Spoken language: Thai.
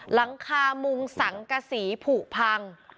หลังคามุงสังกษีผูกพัง